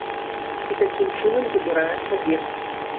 І такім чынам забірае сабе.